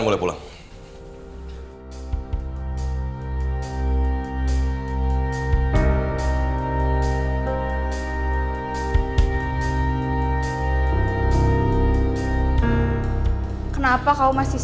nggak lihat aja nanti